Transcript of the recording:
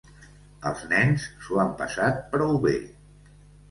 Els nens s'ho han passat prou bé.